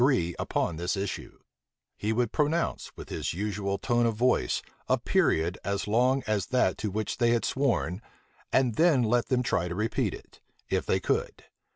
The prisoner offered to put the whole upon this issue: he would pronounce, with his usual tone of voice, a period as long as that to which they had sworn; and then let them try to repeat it, if they could.